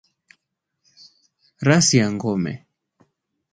Rasi ya Ngome